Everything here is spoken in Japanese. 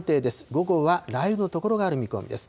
午後は雷雨の所がある見込みです。